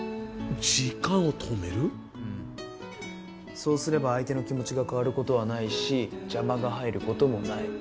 そうすれば相手の気持ちが変わることはないし邪魔が入ることもない。